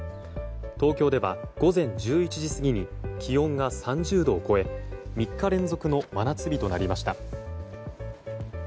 東京では午前１１時過ぎに気温が３０度を超え３日連続の真夏日となりました。